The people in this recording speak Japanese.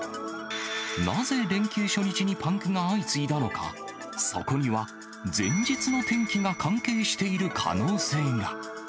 なぜ連休初日にパンクが相次いだのか、そこには、前日の天気が関係している可能性が。